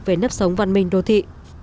về nấp sống văn minh đô thị